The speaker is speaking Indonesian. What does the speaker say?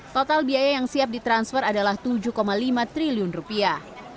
total biaya yang siap ditransfer adalah tujuh lima triliun rupiah